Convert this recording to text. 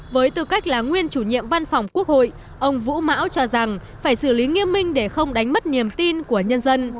với tư cách là nguyên chủ nhiệm văn phòng quốc hội ông vũ mão cho rằng phải xử lý nghiêm minh để không đánh mất niềm tin của nhân dân